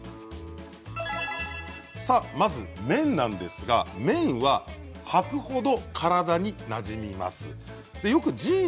まず、綿なんですが綿ははくほどに体になじみます。